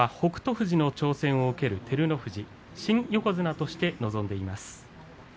富士の挑戦を受ける照ノ富士新横綱として臨んでいます。